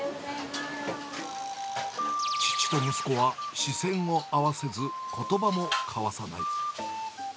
父と息子は視線を合わせず、ことばも交わさない。